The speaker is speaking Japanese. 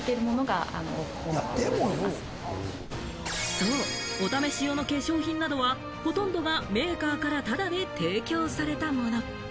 そう、お試し用の化粧品などは、ほとんどがメーカーからタダで提供されたもの。